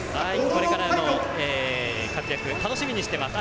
これからの活躍楽しみにしてます。